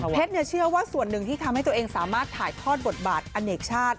เชื่อว่าส่วนหนึ่งที่ทำให้ตัวเองสามารถถ่ายทอดบทบาทอเนกชาติ